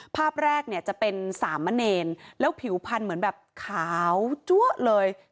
ภาพแรกเนี่ยจะเป็นสามมะเนรแล้วผิวพันธุ์เหมือนแบบขาวจั๊วเลย